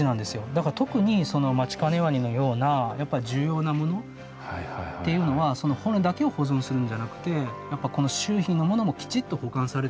だから特にそのマチカネワニのようなやっぱ重要なものっていうのはその骨だけを保存するんじゃなくてこの周囲のものもきちっと保管されてた。